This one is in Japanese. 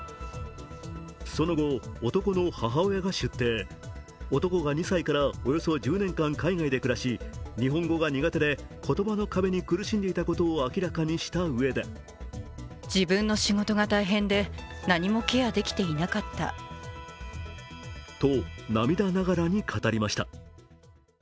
その後、男の母親も出廷男が２歳からおよそ１０年間、海外で暮らし、日本語が苦手で言葉の壁に苦しんでいたことを明らかにしたうえでと、涙ながらに語りました。